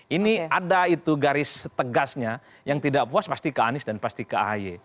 ini ada itu garis tegasnya yang tidak puas pasti ke anies dan pasti ke ahy